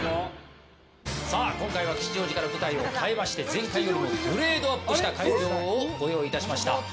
今回は吉祥寺から舞台を変えまして前回よりグレードアップした新家電をご用意しました。